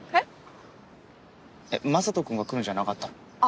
雅人君が来るんじゃなかったの？